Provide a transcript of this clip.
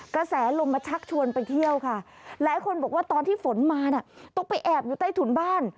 กระแสลมมาชักชวนไปเที่ยวค่ะหลายคนบอกว่าตอนที่ฝนมาน่ะต้องไปแอบอยู่ใต้ถุนบ้าน